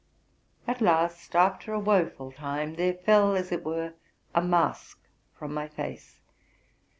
At last, after a woful time, there fell, as it) were, a mask from my face.